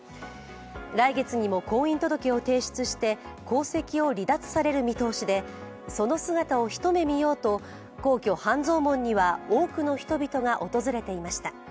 来月にも婚姻届を提出して皇籍を離脱される見通しでその姿をひと目見ようと皇居・半蔵門には多くの人々が訪れていました。